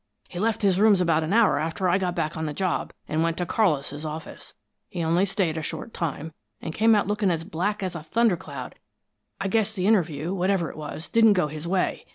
"He left his rooms about an hour after I got back on the job, and went to Carlis' office. He only stayed a short time, and came out looking as black as a thunder cloud I guess the interview, whatever it was, didn't go his way.